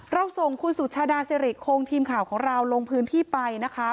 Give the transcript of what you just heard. เราส่งคุณสุชาดาสิริโครงทีมข่าวของเราลงพื้นที่ไปนะคะ